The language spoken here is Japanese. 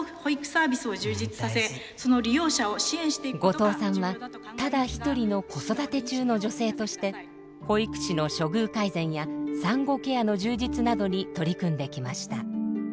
後藤さんはただ一人の子育て中の女性として保育士の処遇改善や産後ケアの充実などに取り組んできました。